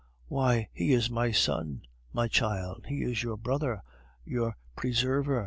"Why, he is my son, my child; he is your brother, your preserver!"